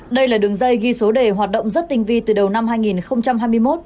đây là đường dây ghi số đề hoạt động rất tinh vi từ đầu năm hai nghìn hai mươi một